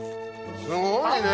すごいね。